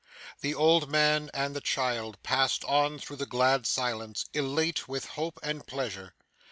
The old man and the child passed on through the glad silence, elate with hope and pleasure.